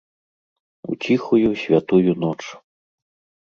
У ціхую, святую ноч!